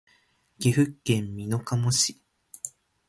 岐阜県美濃加茂市